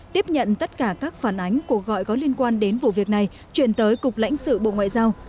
tiếp nhận tất cả các phản ánh của gọi có liên quan đến vụ việc này chuyển tới cục lãnh sự bộ ngoại giao